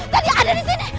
tadi ada di sini